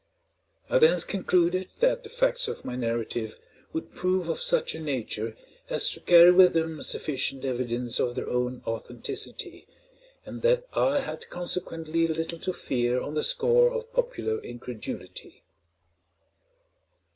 I thence concluded that the facts of my narrative would prove of such a nature as to carry with them sufficient evidence of their own authenticity, and that I had consequently little to fear on the score of popular incredulity.